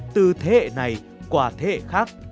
từ thế hệ này qua thế hệ khác